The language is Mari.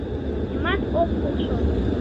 Нимат ок полшо.